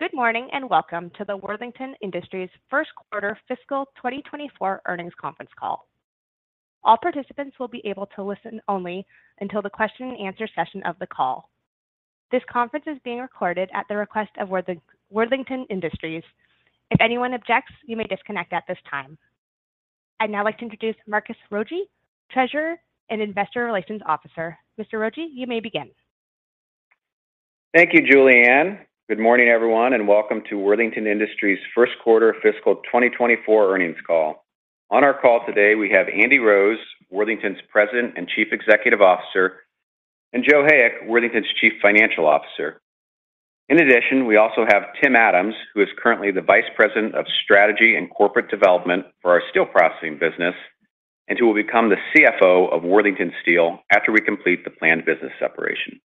Good morning, and welcome to the Worthington Enterprises first quarter fiscal 2024 earnings conference call. All participants will be able to listen only until the question and answer session of the call. This conference is being recorded at the request of Worthington Enterprises. If anyone objects, you may disconnect at this time. I'd now like to introduce Marcus Rogier, Treasurer and Investor Relations Officer. Mr. Rogier, you may begin. Thank you, Julianne. Good morning, everyone, and welcome to Worthington Industries' first quarter fiscal 2024 earnings call. On our call today, we have Andy Rose, Worthington's President and Chief Executive Officer, and Joe Hayek, Worthington's Chief Financial Officer. In addition, we also have Tim Adams, who is currently the Vice President of Strategy and Corporate Development for our steel processing business, and who will become the CFO of Worthington Steel after we complete the planned business separation.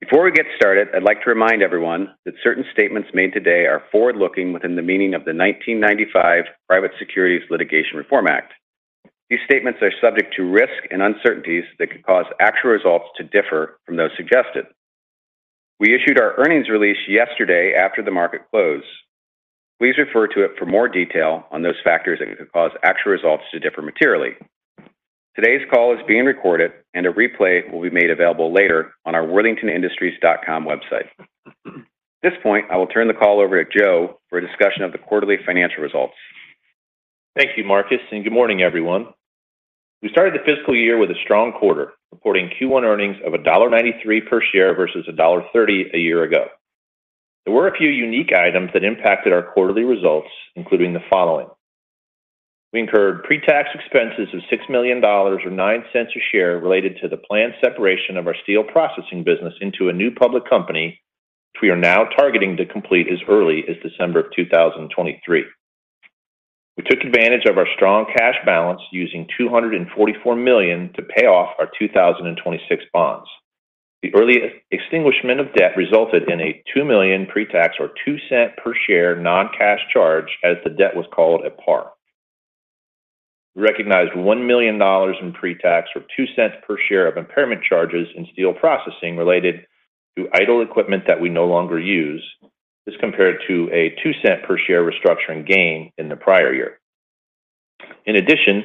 Before we get started, I'd like to remind everyone that certain statements made today are forward-looking within the meaning of the 1995 Private Securities Litigation Reform Act. These statements are subject to risks and uncertainties that could cause actual results to differ from those suggested. We issued our earnings release yesterday after the market closed. Please refer to it for more detail on those factors that could cause actual results to differ materially. Today's call is being recorded, and a replay will be made available later on our WorthingtonIndustries.com website. At this point, I will turn the call over to Joe for a discussion of the quarterly financial results. Thank you, Marcus, and good morning, everyone. We started the fiscal year with a strong quarter, reporting Q1 earnings of $1.93 per share versus $1.30 a year ago. There were a few unique items that impacted our quarterly results, including the following: We incurred pre-tax expenses of $6 million or $0.09 per share related to the planned separation of our steel processing business into a new public company, which we are now targeting to complete as early as December 2023. We took advantage of our strong cash balance, using $244 million to pay off our 2026 bonds. The early extinguishment of debt resulted in a $2 million pre-tax or $0.02 per share non-cash charge as the debt was called at par. We recognized $1 million in pre-tax, or 2 cents per share of impairment charges in steel processing related to idle equipment that we no longer use. This compared to a 2 cents per share restructuring gain in the prior year. In addition,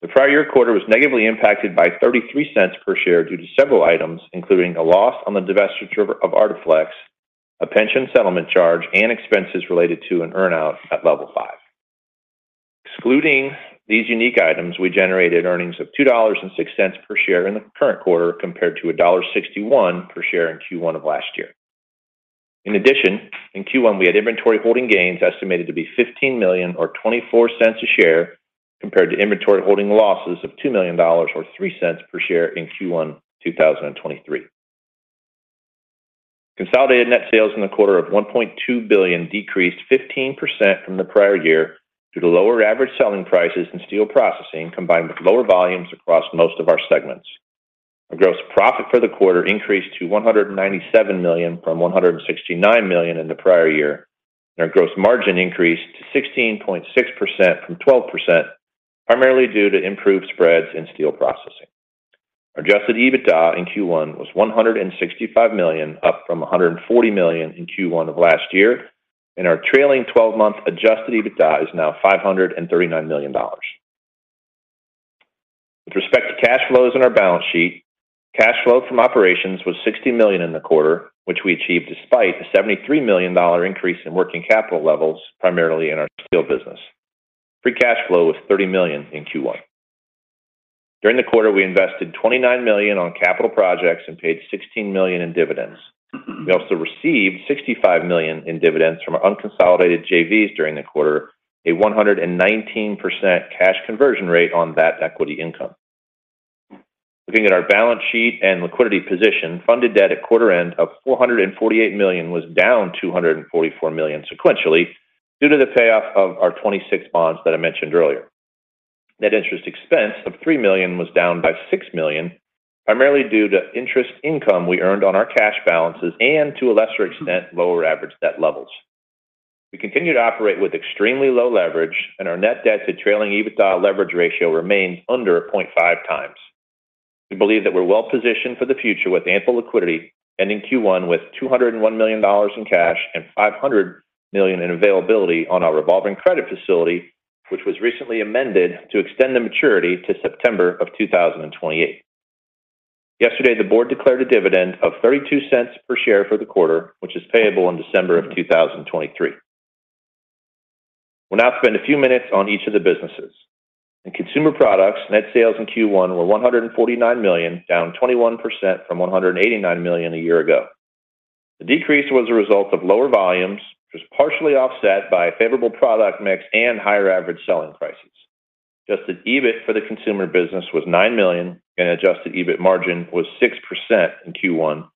the prior year quarter was negatively impacted by 33 cents per share due to several items, including a loss on the divestiture of ArtiFlex, a pension settlement charge, and expenses related to an earn-out at Level 5. Excluding these unique items, we generated earnings of $2.06 per share in the current quarter, compared to $1.61 per share in Q1 of last year. In addition, in Q1, we had inventory holding gains estimated to be $15 million or 24 cents a share, compared to inventory holding losses of $2 million or 3 cents per share in Q1 2023. Consolidated net sales in the quarter of $1.2 billion decreased 15% from the prior year due to lower average selling prices and steel processing, combined with lower volumes across most of our segments. Our gross profit for the quarter increased to $197 million from $169 million in the prior year, and our gross margin increased to 16.6% from 12%, primarily due to improved spreads in steel processing. Our adjusted EBITDA in Q1 was $165 million, up from $140 million in Q1 of last year, and our trailing twelve-month adjusted EBITDA is now $539 million. With respect to cash flows in our balance sheet, cash flow from operations was $60 million in the quarter, which we achieved despite a $73 million increase in working capital levels, primarily in our steel business. Free cash flow was $30 million in Q1. During the quarter, we invested $29 million on capital projects and paid $16 million in dividends. We also received $65 million in dividends from our unconsolidated JVs during the quarter, a 119% cash conversion rate on that equity income. Looking at our balance sheet and liquidity position, funded debt at quarter end of $448 million was down $244 million sequentially due to the payoff of our 2026 bonds that I mentioned earlier. Net interest expense of $3 million was down by $6 million, primarily due to interest income we earned on our cash balances and, to a lesser extent, lower average debt levels. We continue to operate with extremely low leverage, and our net debt to trailing EBITDA leverage ratio remains under 0.5x. We believe that we're well positioned for the future with ample liquidity, ending Q1 with $201 million in cash and $500 million in availability on our revolving credit facility, which was recently amended to extend the maturity to September 2028. Yesterday, the board declared a dividend of $0.32 per share for the quarter, which is payable in December 2023. We'll now spend a few minutes on each of the businesses. In consumer products, net sales in Q1 were $149 million, down 21% from $189 million a year ago. The decrease was a result of lower volumes, which was partially offset by a favorable product mix and higher average selling prices. Adjusted EBIT for the consumer business was $9 million, and adjusted EBIT margin was 6% in Q1,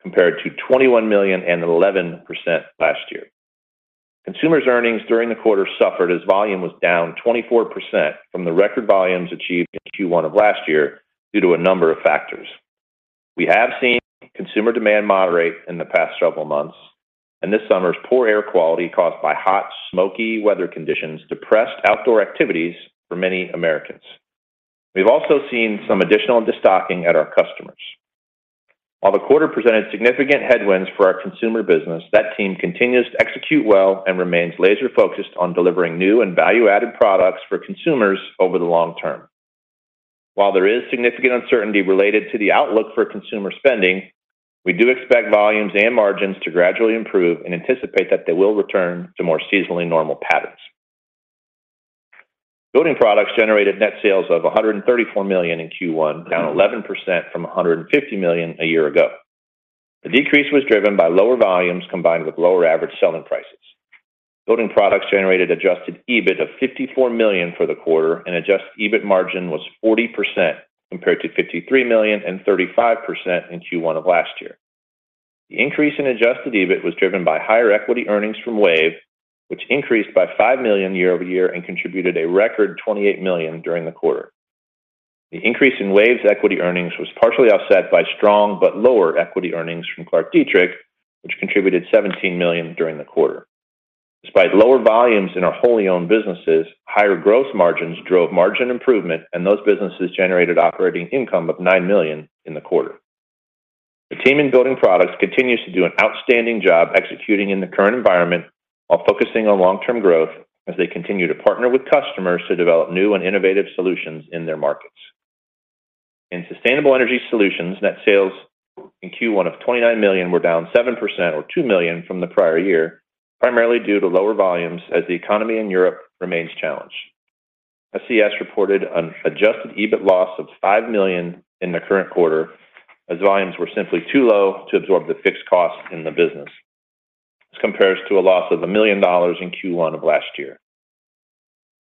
compared to $21 million and 11% last year. Consumer's earnings during the quarter suffered as volume was down 24% from the record volumes achieved in Q1 of last year due to a number of factors. We have seen consumer demand moderate in the past several months, and this summer's poor air quality, caused by hot, smoky weather conditions, depressed outdoor activities for many Americans. We've also seen some additional destocking at our customers. While the quarter presented significant headwinds for our consumer business, that team continues to execute well and remains laser-focused on delivering new and value-added products for consumers over the long term. While there is significant uncertainty related to the outlook for consumer spending, we do expect volumes and margins to gradually improve and anticipate that they will return to more seasonally normal patterns. Building Products generated net sales of $134 million in Q1, down 11% from $150 million a year ago. The decrease was driven by lower volumes, combined with lower average selling prices. Building Products generated adjusted EBIT of $54 million for the quarter, and adjusted EBIT margin was 40%, compared to $53 million and 35% in Q1 of last year. The increase in adjusted EBIT was driven by higher equity earnings from WAVE, which increased by $5 million year-over-year and contributed a record $28 million during the quarter. The increase in WAVE's equity earnings was partially offset by strong but lower equity earnings from ClarkDietrich, which contributed $17 million during the quarter. Despite lower volumes in our wholly owned businesses, higher growth margins drove margin improvement, and those businesses generated operating income of $9 million in the quarter. The team in Building Products continues to do an outstanding job executing in the current environment while focusing on long-term growth, as they continue to partner with customers to develop new and innovative solutions in their markets. In Sustainable Energy Solutions, net sales in Q1 of $29 million were down 7% or $2 million from the prior year, primarily due to lower volumes as the economy in Europe remains challenged. SES reported an adjusted EBIT loss of $5 million in the current quarter, as volumes were simply too low to absorb the fixed costs in the business. This compares to a loss of $1 million in Q1 of last year.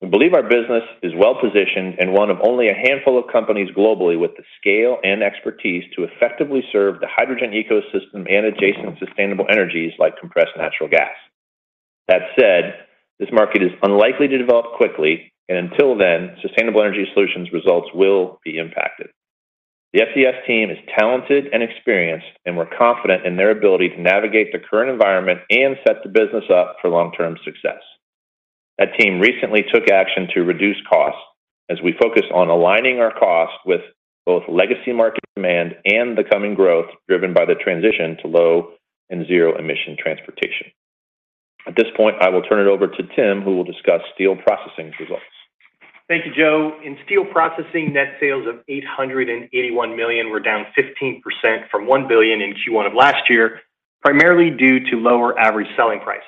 We believe our business is well-positioned and one of only a handful of companies globally with the scale and expertise to effectively serve the hydrogen ecosystem and adjacent sustainable energies like compressed natural gas. That said, this market is unlikely to develop quickly, and until then, Sustainable Energy Solutions results will be impacted. The SES team is talented and experienced, and we're confident in their ability to navigate the current environment and set the business up for long-term success. That team recently took action to reduce costs as we focus on aligning our costs with both legacy market demand and the coming growth driven by the transition to low and zero-emission transportation. At this point, I will turn it over to Tim, who will discuss Steel Processing's results. Thank you, Joe. In Steel Processing, net sales of $881 million were down 15% from $1 billion in Q1 of last year, primarily due to lower average selling prices.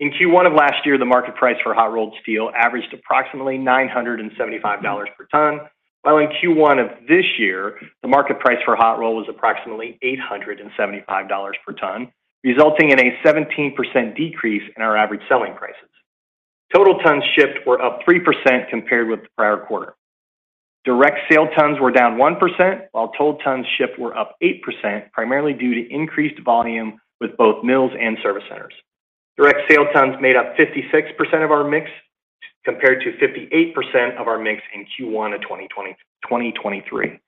In Q1 of last year, the market price for hot-rolled steel averaged approximately $975 per ton, while in Q1 of this year, the market price for hot roll was approximately $875 per ton, resulting in a 17% decrease in our average selling prices. Total tons shipped were up 3% compared with the prior quarter. Direct sale tons were down 1%, while toll tons shipped were up 8%, primarily due to increased volume with both mills and service centers. Direct sale tons made up 56% of our mix, compared to 58% of our mix in Q1 of 2023.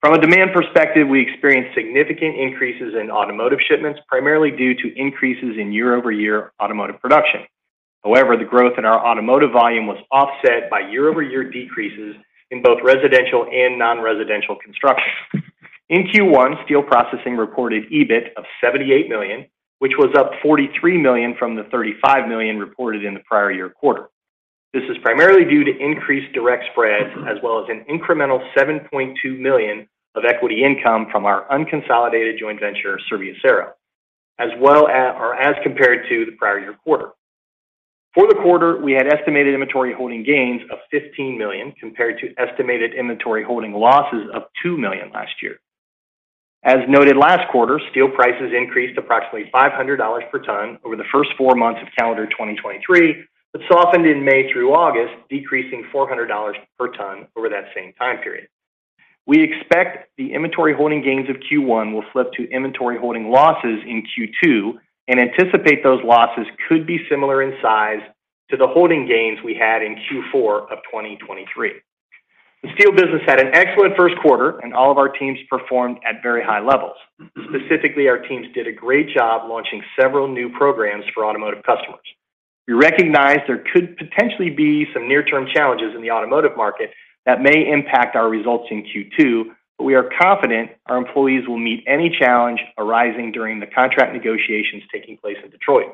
From a demand perspective, we experienced significant increases in automotive shipments, primarily due to increases in year-over-year automotive production. However, the growth in our automotive volume was offset by year-over-year decreases in both residential and non-residential construction. In Q1, Steel Processing reported EBIT of $78 million, which was up $43 million from the $35 million reported in the prior year quarter. This is primarily due to increased direct spreads, as well as an incremental $7.2 million of equity income from our unconsolidated joint venture, Serviacero, as compared to the prior year quarter. For the quarter, we had estimated inventory holding gains of $15 million, compared to estimated inventory holding losses of $2 million last year. As noted last quarter, steel prices increased approximately $500 per ton over the first 4 months of calendar 2023, but softened in May through August, decreasing $400 per ton over that same time period. We expect the inventory holding gains of Q1 will flip to inventory holding losses in Q2 and anticipate those losses could be similar in size to the holding gains we had in Q4 of 2023. The steel business had an excellent first quarter, and all of our teams performed at very high levels. Specifically, our teams did a great job launching several new programs for automotive customers. We recognize there could potentially be some near-term challenges in the automotive market that may impact our results in Q2, but we are confident our employees will meet any challenge arising during the contract negotiations taking place in Detroit.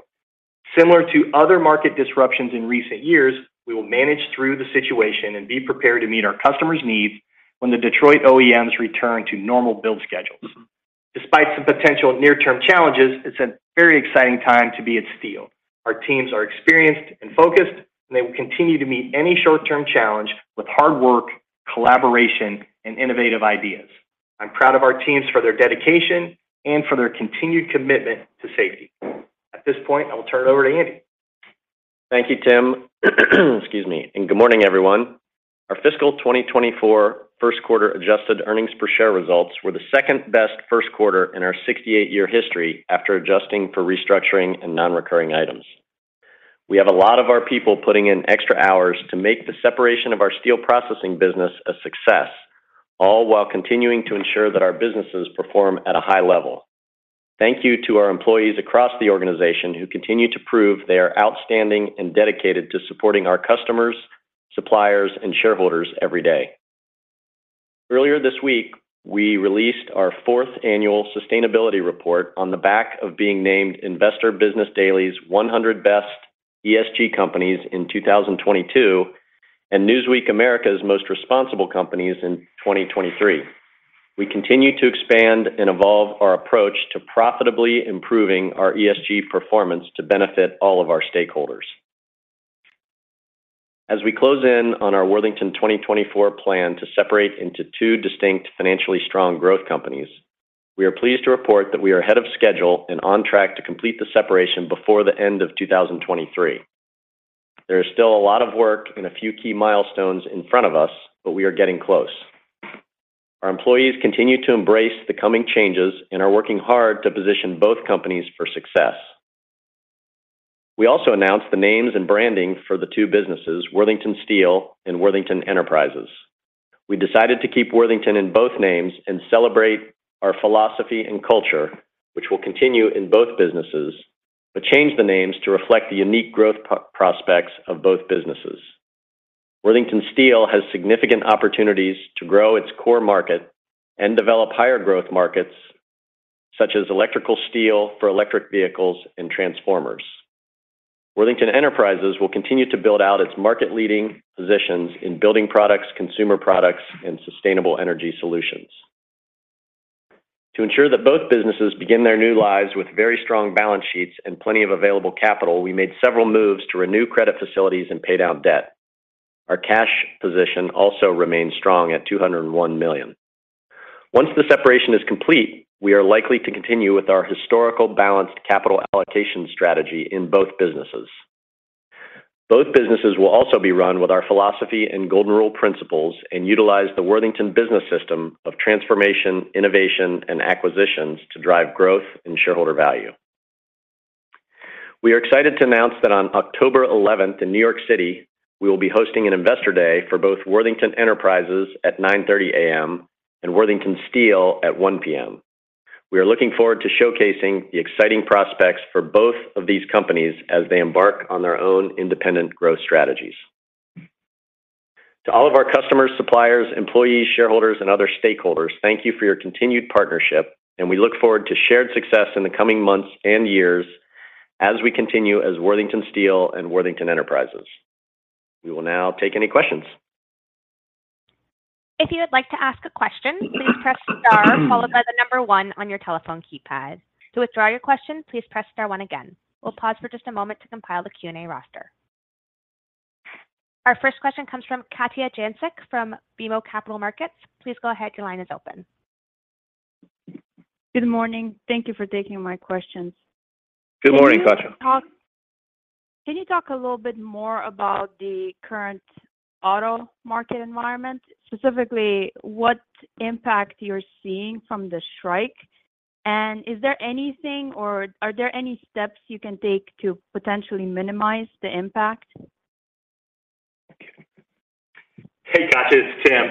Similar to other market disruptions in recent years, we will manage through the situation and be prepared to meet our customers' needs when the Detroit OEMs return to normal build schedules. Despite some potential near-term challenges, it's a very exciting time to be at Steel. Our teams are experienced and focused, and they will continue to meet any short-term challenge with hard work, collaboration, and innovative ideas. I'm proud of our teams for their dedication and for their continued commitment to safety. At this point, I will turn it over to Andy. Thank you, Tim. Excuse me, and good morning, everyone. Our fiscal 2024 first quarter adjusted earnings per share results were the second-best first quarter in our 68-year history, after adjusting for restructuring and non-recurring items. We have a lot of our people putting in extra hours to make the separation of our steel processing business a success, all while continuing to ensure that our businesses perform at a high level. Thank you to our employees across the organization who continue to prove they are outstanding and dedicated to supporting our customers, suppliers, and shareholders every day. Earlier this week, we released our fourth annual sustainability report on the back of being named Investor's Business Daily's 100 Best ESG Companies in 2022, and Newsweek America's Most Responsible Companies in 2023. We continue to expand and evolve our approach to profitably improving our ESG performance to benefit all of our stakeholders. As we close in on our Worthington 2024 plan to separate into two distinct, financially strong growth companies, we are pleased to report that we are ahead of schedule and on track to complete the separation before the end of 2023. There is still a lot of work and a few key milestones in front of us, but we are getting close. Our employees continue to embrace the coming changes and are working hard to position both companies for success. We also announced the names and branding for the two businesses, Worthington Steel and Worthington Enterprises. We decided to keep Worthington in both names and celebrate our philosophy and culture, which will continue in both businesses, but change the names to reflect the unique growth prospects of both businesses. Worthington Steel has significant opportunities to grow its core market and develop higher growth markets, such as electrical steel for electric vehicles and transformers. Worthington Enterprises will continue to build out its market-leading positions in building products, consumer products, and sustainable energy solutions. To ensure that both businesses begin their new lives with very strong balance sheets and plenty of available capital, we made several moves to renew credit facilities and pay down debt. Our cash position also remains strong at $201 million. Once the separation is complete, we are likely to continue with our historical balanced capital allocation strategy in both businesses. Both businesses will also be run with our philosophy and golden rule principles, and utilize the Worthington business system of transformation, innovation, and acquisitions to drive growth and shareholder value. We are excited to announce that on October 11, in New York City, we will be hosting an Investor Day for both Worthington Enterprises at 9:30 A.M., and Worthington Steel at 1:00 P.M. We are looking forward to showcasing the exciting prospects for both of these companies as they embark on their own independent growth strategies. To all of our customers, suppliers, employees, shareholders, and other stakeholders, thank you for your continued partnership, and we look forward to shared success in the coming months and years as we continue as Worthington Steel and Worthington Enterprises. We will now take any questions. If you would like to ask a question, please press star followed by the number 1 on your telephone keypad. To withdraw your question, please press star 1 again. We'll pause for just a moment to compile the Q&A roster. Our first question comes from Katja Jancic from BMO Capital Markets. Please go ahead. Your line is open. Good morning. Thank you for taking my questions. Good morning, Katja. Can you talk a little bit more about the current auto market environment? Specifically, what impact you're seeing from the strike, and is there anything or are there any steps you can take to potentially minimize the impact? Hey, Katja, it's Tim.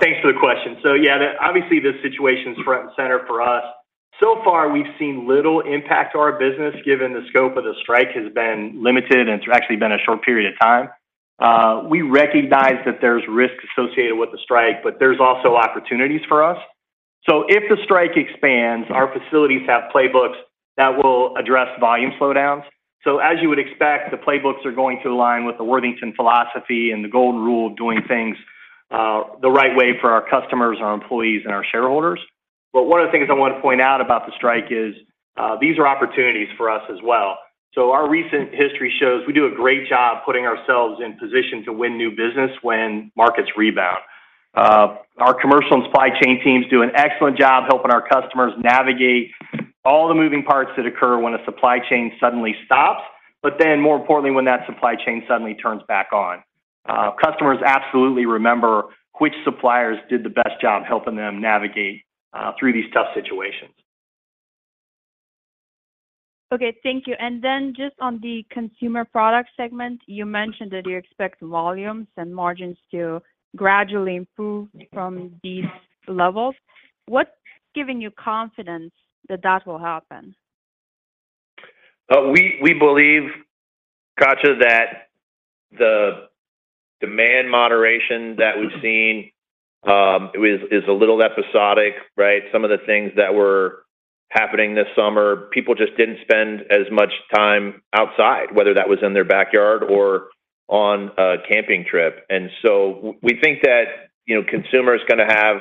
Thanks for the question. So yeah, obviously, this situation is front and center for us. So far, we've seen little impact to our business, given the scope of the strike has been limited, and it's actually been a short period of time. We recognize that there's risks associated with the strike, but there's also opportunities for us. So if the strike expands, our facilities have playbooks that will address volume slowdowns. So as you would expect, the playbooks are going to align with the Worthington philosophy and the golden rule of doing things, the right way for our customers, our employees, and our shareholders. But one of the things I want to point out about the strike is, these are opportunities for us as well. Our recent history shows we do a great job putting ourselves in position to win new business when markets rebound. Our commercial and supply chain teams do an excellent job helping our customers navigate all the moving parts that occur when a supply chain suddenly stops, but then, more importantly, when that supply chain suddenly turns back on. Customers absolutely remember which suppliers did the best job helping them navigate through these tough situations. Okay, thank you. Then just on the Consumer Products segment, you mentioned that you expect volumes and margins to gradually improve from these levels. What's giving you confidence that that will happen? We believe, Katja, that the demand moderation that we've seen is a little episodic, right? Some of the things that were happening this summer, people just didn't spend as much time outside, whether that was in their backyard or on a camping trip. And so we think that, you know, consumer is gonna have...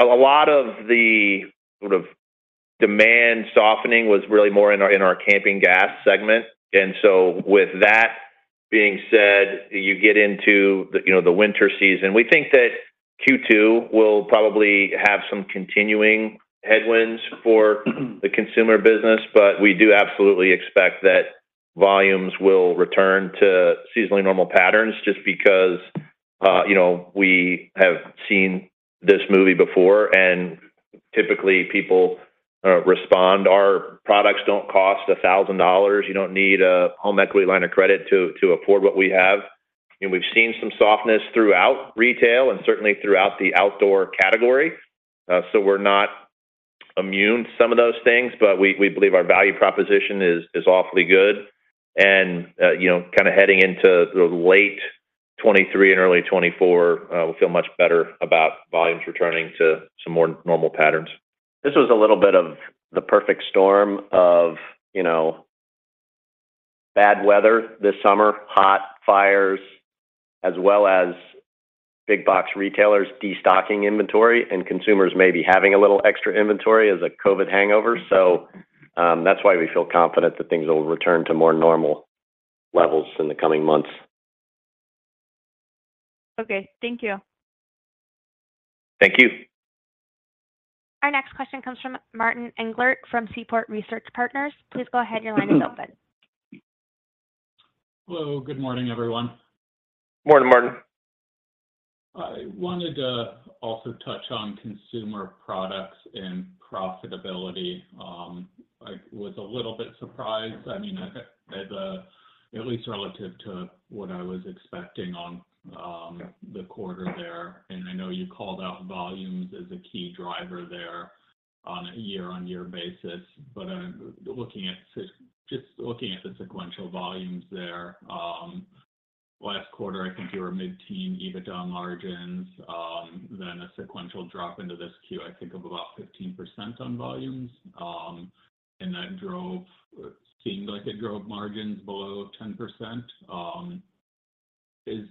A lot of the sort of demand softening was really more in our camping gas segment. And so with that being said, you get into the, you know, the winter season. We think that Q2 will probably have some continuing headwinds for the consumer business, but we do absolutely expect that volumes will return to seasonally normal patterns just because, you know, we have seen this movie before and... typically, people respond. Our products don't cost $1,000. You don't need a home equity line of credit to afford what we have. We've seen some softness throughout retail and certainly throughout the outdoor category. So we're not immune to some of those things, but we believe our value proposition is awfully good. And you know, kind of heading into the late 2023 and early 2024, we feel much better about volumes returning to some more normal patterns. This was a little bit of the perfect storm of, you know, bad weather this summer, hot fires, as well as big box retailers destocking inventory, and consumers may be having a little extra inventory as a COVID hangover. So that's why we feel confident that things will return to more normal levels in the coming months. Okay. Thank you. Thank you. Our next question comes from Martin Englert from Seaport Research Partners. Please go ahead. Your line is open. Hello, good morning, everyone. Morning, Martin. I wanted to also touch on consumer products and profitability. I was a little bit surprised, I mean, at least relative to what I was expecting on the quarter there, and I know you called out volumes as a key driver there on a year-on-year basis, but looking at the—just looking at the sequential volumes there, last quarter, I think you were mid-teen EBITDA margins, then a sequential drop into this Q, I think of about 15% on volumes. And that drove, seemed like it drove margins below 10%. Is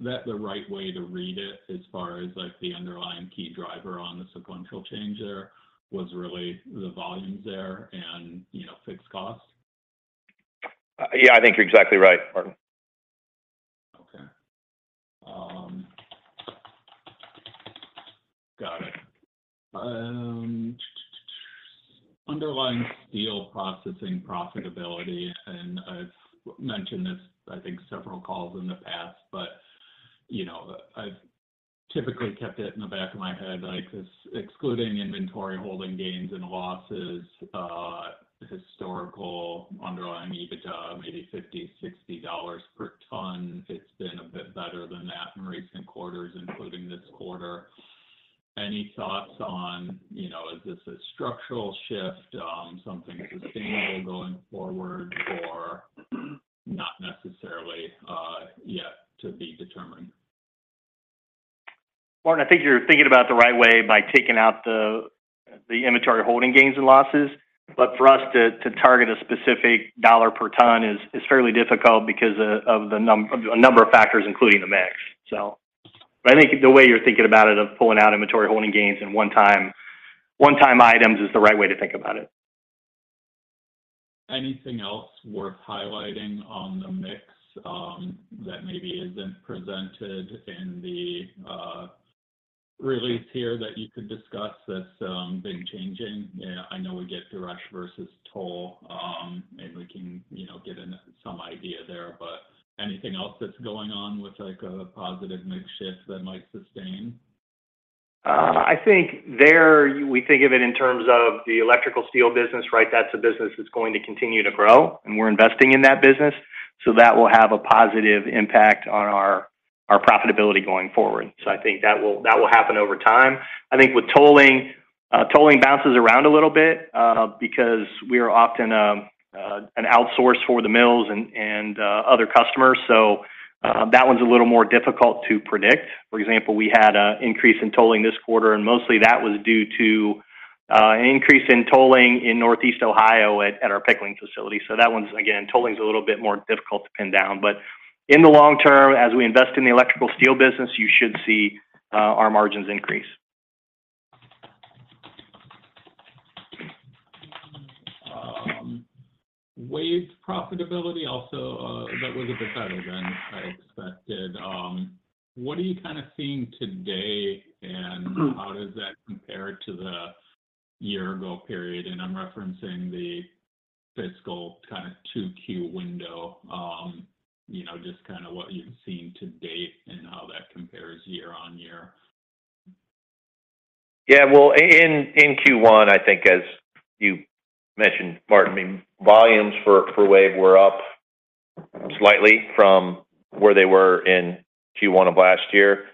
that the right way to read it as far as, like, the underlying key driver on the sequential change there, was really the volumes there and, you know, fixed cost? Yeah, I think you're exactly right, Martin. Okay, got it. Underlying steel processing profitability, and I've mentioned this, I think, several calls in the past, but, you know, I've typically kept it in the back of my head, like, because excluding inventory holding gains and losses, historical underlying EBITDA, maybe $50-$60 per ton, it's been a bit better than that in recent quarters, including this quarter. Any thoughts on, you know, is this a structural shift, something sustainable going forward, or not necessarily, yet to be determined? Martin, I think you're thinking about it the right way by taking out the inventory holding gains and losses. But for us to target a specific dollar per ton is fairly difficult because of a number of factors, including the mix. So I think the way you're thinking about it, of pulling out inventory holding gains and one-time items is the right way to think about it. Anything else worth highlighting on the mix that maybe isn't presented in the release here that you could discuss that's been changing? I know we get to rush versus toll. We can, you know, get some idea there, but anything else that's going on with, like, a positive mix shift that might sustain? I think we think of it in terms of the electrical steel business, right? That's a business that's going to continue to grow, and we're investing in that business. So that will have a positive impact on our profitability going forward. So I think that will happen over time. I think with tolling, tolling bounces around a little bit, because we are often an outsource for the mills and other customers. So that one's a little more difficult to predict. For example, we had an increase in tolling this quarter, and mostly that was due to an increase in tolling in Northeast Ohio at our pickling facility. So that one's, again, tolling is a little bit more difficult to pin down. But in the long term, as we invest in the Electrical Steel business, you should see our margins increase. WAVE profitability also, that was a bit better than I expected. What are you kind of seeing today, and how does that compare to the year ago period? And I'm referencing the fiscal kind of 2Q window, you know, just kinda what you've seen to date and how that compares year-on-year. Yeah, well, in Q1, I think as you mentioned, Martin, I mean, volumes for WAVE were up slightly from where they were in Q1 of last year.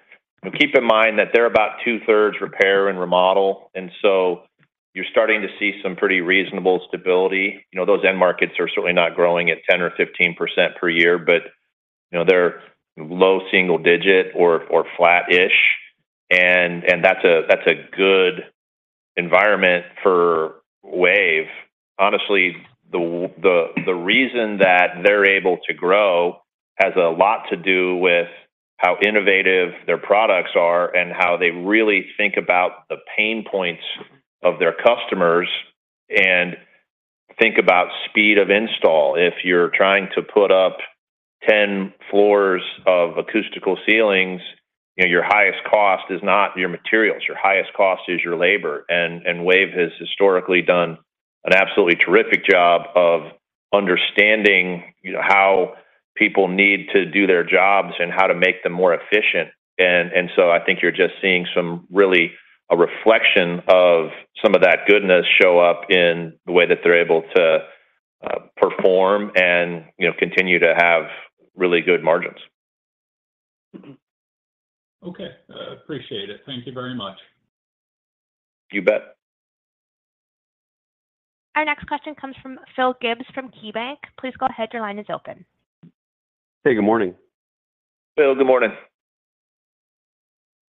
And keep in mind that they're about two-thirds repair and remodel, and so you're starting to see some pretty reasonable stability. You know, those end markets are certainly not growing at 10 or 15% per year, but you know, they're low single digit or flat-ish, and that's a good environment for WAVE. Honestly, the reason that they're able to grow has a lot to do with how innovative their products are and how they really think about the pain points of their customers and think about speed of install. If you're trying to put up 10 floors of acoustical ceilings, you know, your highest cost is not your materials, your highest cost is your labor, and WAVE has historically done an absolutely terrific job of understanding, you know, how people need to do their jobs and how to make them more efficient. And so I think you're just seeing some really a reflection of some of that goodness show up in the way that they're able to perform and, you know, continue to have really good margins. Okay. Appreciate it. Thank you very much. You bet. Our next question comes from Phil Gibbs from KeyBanc. Please go ahead. Your line is open. Hey, good morning. Phil, good morning.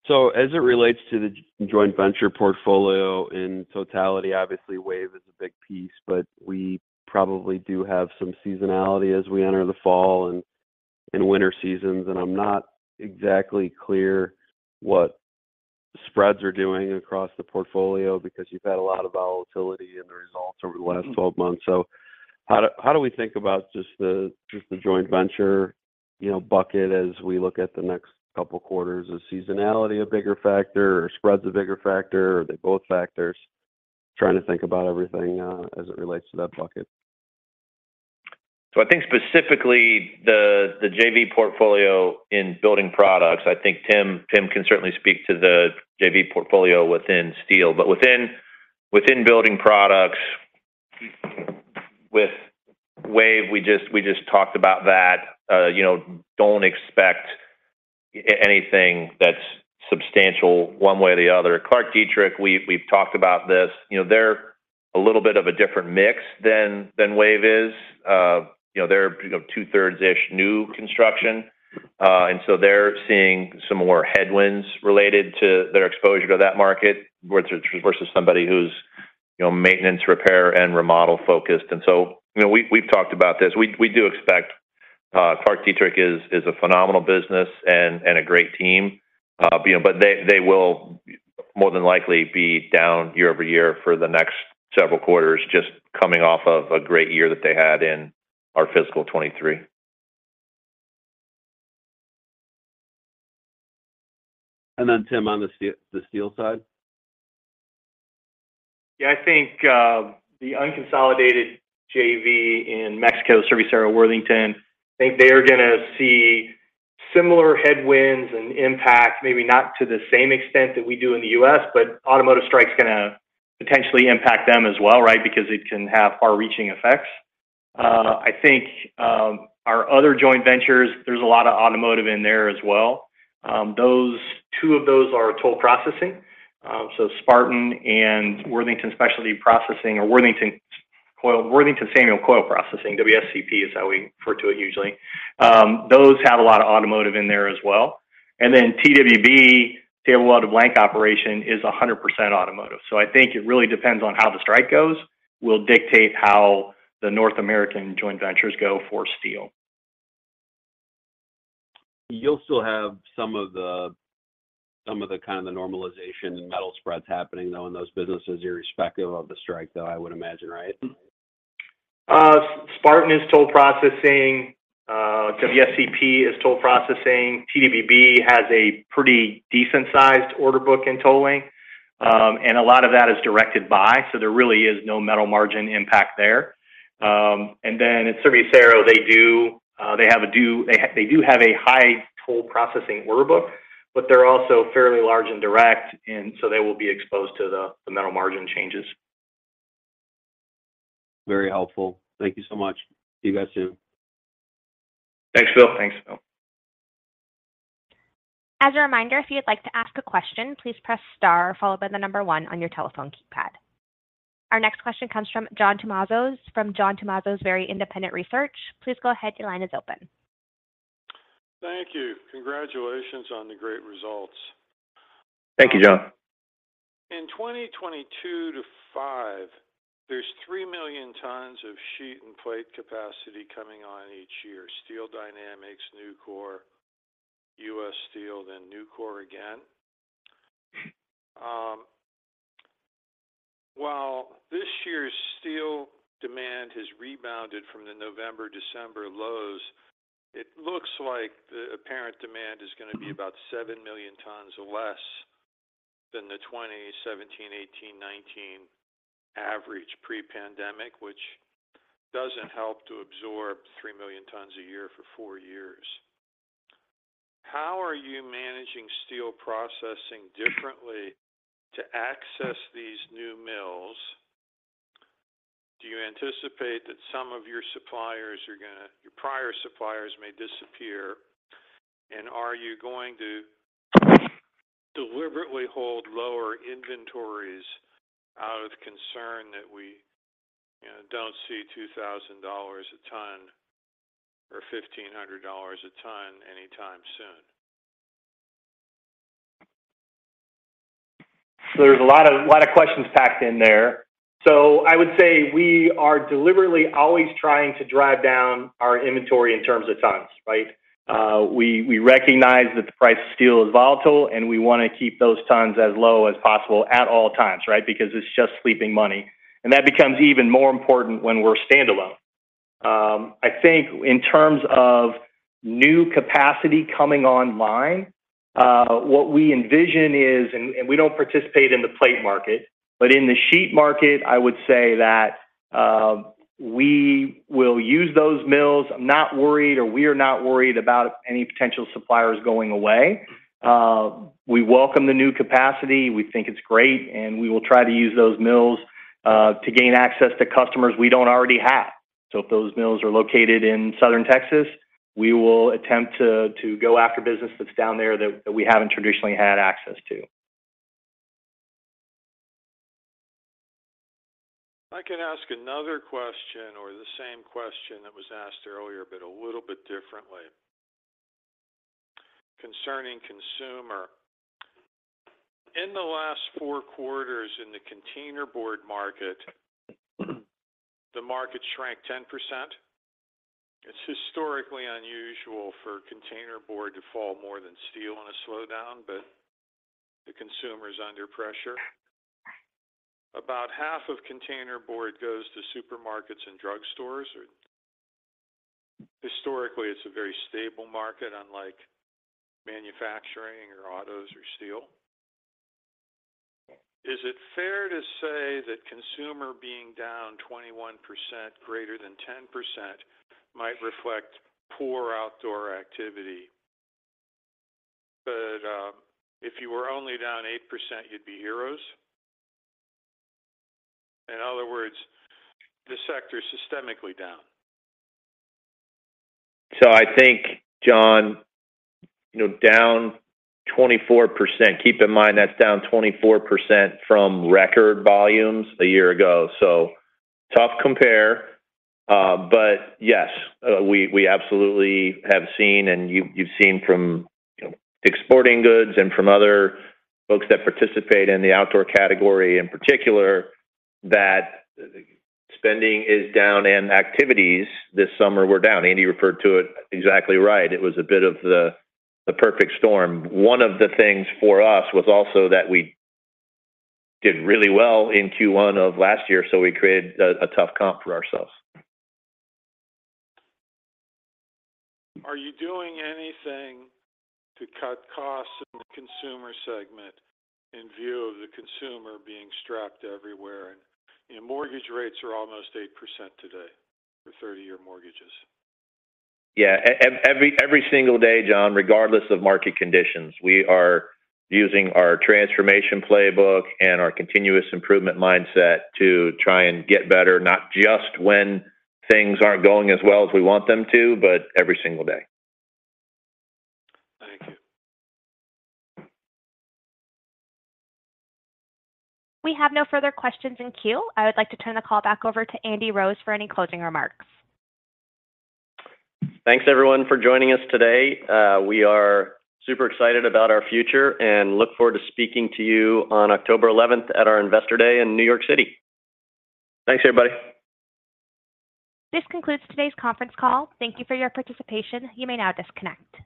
So as it relates to the joint venture portfolio in totality, obviously, WAVE is a big piece, but we probably do have some seasonality as we enter the fall and winter seasons, and I'm not exactly clear what spreads are doing across the portfolio because you've had a lot of volatility in the results over the last 12 months. So how do we think about just the joint venture, you know, bucket as we look at the next couple quarters? Is seasonality a bigger factor, or spread's a bigger factor, or are they both factors? Trying to think about everything as it relates to that bucket. So I think specifically the JV portfolio in building products, I think Tim can certainly speak to the JV portfolio within steel. But within building products, with WAVE, we just talked about that. You know, don't expect anything that's substantial one way or the other. ClarkDietrich, we've talked about this. You know, they're a little bit of a different mix than WAVE is. You know, they're two-thirds-ish new construction, and so they're seeing some more headwinds related to their exposure to that market, versus somebody who's maintenance, repair, and remodel focused. And so, you know, we've talked about this. We do expect ClarkDietrich is a phenomenal business and a great team, you know, but they will more than likely be down year-over-year for the next several quarters, just coming off of a great year that they had in our fiscal 2023. And then, Tim, on the steel, the steel side? Yeah, I think, the unconsolidated JV in Mexico, Serviacero Worthington, I think they are gonna see similar headwinds and impact, maybe not to the same extent that we do in the U.S., but automotive strike is gonna potentially impact them as well, right? Because it can have far-reaching effects. I think, our other joint ventures, there's a lot of automotive in there as well. Those... Two of those are toll processing, so Spartan and Worthington Samuel Coil Processing, WSCP is how we refer to it usually. Those have a lot of automotive in there as well. And then TWB, Tailor Welded Blanks operation, is 100% automotive. So I think it really depends on how the strike goes, will dictate how the North American joint ventures go for steel. You'll still have some of the normalization in metal spreads happening, though, in those businesses, irrespective of the strike, though, I would imagine, right? Spartan is toll processing, WSCP is toll processing. TWB has a pretty decent-sized order book in tolling, and a lot of that is directed by, so there really is no metal margin impact there. And then at Serviacero, they do have a high toll processing order book, but they're also fairly large and direct, and so they will be exposed to the metal margin changes. Very helpful. Thank you so much. See you guys soon. Thanks, Phil. Thanks, Phil. As a reminder, if you'd like to ask a question, please press star followed by the number one on your telephone keypad. Our next question comes from John Tumazos from John Tumazos Very Independent Research. Please go ahead. Your line is open. Thank you. Congratulations on the great results. Thank you, John. In 2022-2025, there's 3 million tons of sheet and plate capacity coming on each year: Steel Dynamics, Nucor, US Steel, then Nucor again. While this year's steel demand has rebounded from the November, December lows, it looks like the apparent demand is gonna be about 7 million tons less than the 2017, 2018, 2019 average pre-pandemic, which doesn't help to absorb 3 million tons a year for 4 years. How are you managing steel processing differently to access these new mills? Do you anticipate that some of your suppliers are gonna—your prior suppliers may disappear? And are you going to deliberately hold lower inventories out of concern that we don't see $2,000 a ton or $1,500 a ton anytime soon? There's a lot of, lot of questions packed in there. I would say we are deliberately always trying to drive down our inventory in terms of tons, right? We recognize that the price of steel is volatile, and we want to keep those tons as low as possible at all times, right? Because it's just sleeping money. And that becomes even more important when we're standalone.... I think in terms of new capacity coming online, what we envision is, and we don't participate in the plate market, but in the sheet market, I would say that, we will use those mills. I'm not worried, or we are not worried about any potential suppliers going away. We welcome the new capacity. We think it's great, and we will try to use those mills, to gain access to customers we don't already have. So if those mills are located in Southern Texas, we will attempt to go after business that's down there that we haven't traditionally had access to. If I can ask another question or the same question that was asked earlier, but a little bit differently concerning consumer. In the last four quarters in the container board market, the market shrank 10%. It's historically unusual for container board to fall more than steel in a slowdown, but the consumer is under pressure. About half of container board goes to supermarkets and drugstores, or historically, it's a very stable market, unlike manufacturing or autos or steel. Is it fair to say that consumer being down 21%, greater than 10%, might reflect poor outdoor activity, but, if you were only down 8%, you'd be heroes? In other words, the sector is systemically down. So I think, John, you know, down 24%. Keep in mind, that's down 24% from record volumes a year ago, so tough compare. But yes, we absolutely have seen, and you've seen from, you know, exporting goods and from other folks that participate in the outdoor category, in particular, that spending is down and activities this summer were down. Andy referred to it exactly right. It was a bit of the perfect storm. One of the things for us was also that we did really well in Q1 of last year, so we created a tough comp for ourselves. Are you doing anything to cut costs in the consumer segment in view of the consumer being strapped everywhere? You know, mortgage rates are almost 8% today for 30-year mortgages. Yeah, every single day, John, regardless of market conditions, we are using our transformation playbook and our continuous improvement mindset to try and get better, not just when things aren't going as well as we want them to, but every single day. Thank you. We have no further questions in queue. I would like to turn the call back over to Andy Rose for any closing remarks. Thanks, everyone, for joining us today. We are super excited about our future and look forward to speaking to you on October eleventh at our Investor Day in New York City. Thanks, everybody. This concludes today's conference call. Thank you for your participation. You may now disconnect.